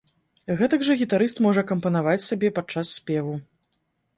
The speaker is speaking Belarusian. Гэтак жа гітарыст можа акампанаваць сабе падчас спеву.